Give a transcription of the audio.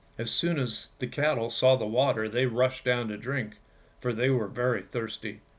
As soon as the cattle saw the water they rushed down to drink, for they were very thirsty.